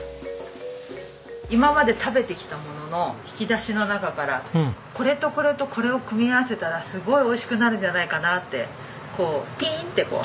今まで食べてきたものの引き出しの中からこれとこれとこれを組み合わせたらすごいおいしくなるんじゃないかなってこうピーンってこう。